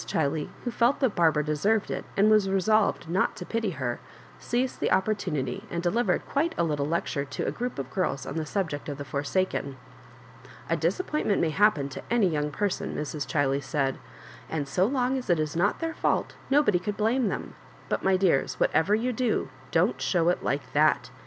Ghiley, who felt that Barbara deserved it^ and was resolved not to pity her, seized the opportunity, and delivered quite a lit tle lecture to a group of girls on the subject of the forsaken. ^' A disappointment may happen to any young person," Mrs. Ghiley said, " and so long as it is not their fault nobody could blame them ; but^ my dears, whatever you do, don't show it like that.